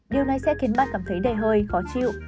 điều này sẽ khiến bạn cảm thấy đầy hơi khó chịu